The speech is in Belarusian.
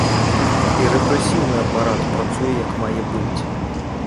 І рэпрэсіўны апарат працуе як мае быць.